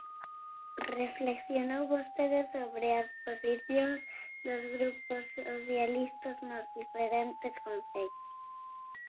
Reflexionou vostede sobre as posicións dos grupos socialistas nos diferentes concellos.